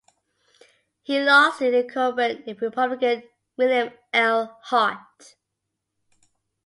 He lost to incumbent Republican William L. Hart.